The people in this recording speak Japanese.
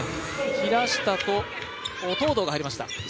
平下と東藤が入りました。